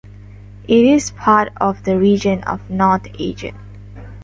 It is part of the region of North Aegean.